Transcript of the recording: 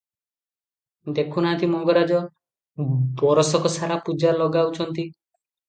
ଦେଖୁ ନାହାନ୍ତି ମଙ୍ଗରାଜ ବରଷକସାରା ପୂଜା ଲଗାଉଛନ୍ତି ।